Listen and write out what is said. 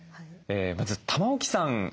まず玉置さん